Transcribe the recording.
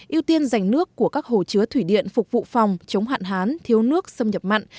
ưu tiên dành nước của các hồ chứa thủy điện phục vụ phòng chống hạn hán thiếu nước xâm nhập mặn